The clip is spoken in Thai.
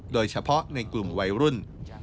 โดยเฉพาะในกลุ่มวัยรุ่น